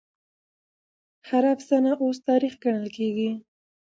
هر افسانه اوس تاريخ ګڼل کېږي.